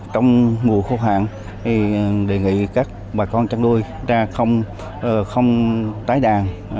trước việc gia tăng tình trạng đề nghị các bà con chăn đuôi ra không tái đàn